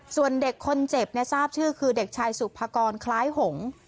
ส่วนเด็กคนเจ็บทราบชื่อคือเด็กชายสุภากรคล้ายหง